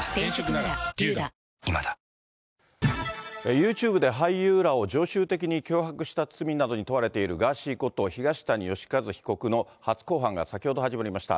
ユーチューブで俳優らを常習的に脅迫した罪などに問われているガーシーこと東谷義和被告の初公判が先ほど始まりました。